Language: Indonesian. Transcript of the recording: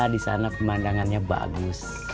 di sana pemandangannya bagus